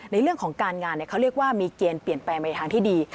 ในเรื่องของการงานเขาเรียกว่ามีเกณฑ์เปลี่ยนแปลงไปในทางที่ดี